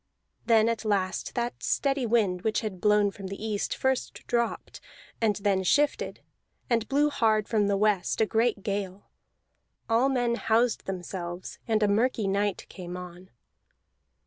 Then at last that steady wind which had blown from the east first dropped, and then shifted, and blew hard from the west, a great gale. All men housed themselves, and a murky night came on.